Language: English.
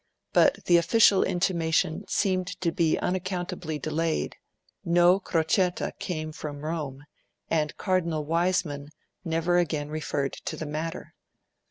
But the official intimation seemed to be unaccountably delayed; no crocetta came from Rome, and Cardinal Wiseman never again referred to the matter.